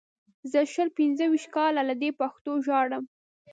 زه شل پنځه ویشت کاله له دې پښتو ژاړم.